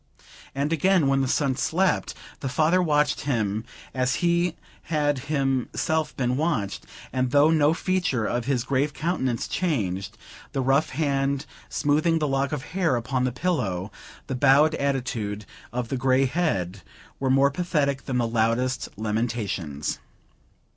And again, when the son slept, the father watched him, as he had himself been watched; and though no feature of his grave countenance changed, the rough hand, smoothing the lock of hair upon the pillow, the bowed attitude of the grey head, were more pathetic than the loudest lamentations.